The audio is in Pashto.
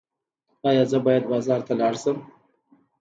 ایا زه باید بازار ته لاړ شم؟